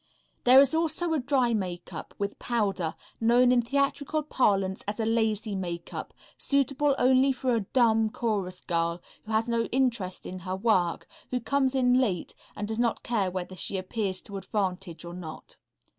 There is also a dry makeup, with powder, known in theatrical parlance as a "lazy" makeup, suitable only for a "dumb" chorus girl who has no interest in her work, who comes in late and does not care whether she appears to advantage or not.